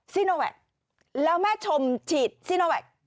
ซีโนแวคแล้วแม่ชมฉีดซีโนแวค